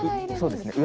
そうですね。